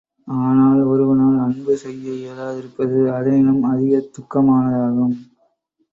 ஆனால், ஒருவனால் அன்பு செய்ய இயலாதிருப்பது அதனினும் அதிகத் துக்கமானதாகும்.